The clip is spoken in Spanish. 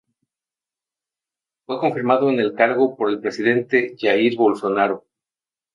Fue confirmado en el cargo por el presidente Jair Bolsonaro.